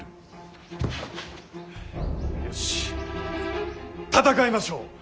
よし戦いましょう。